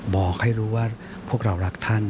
บอกให้รู้ว่าพวกเรารักท่าน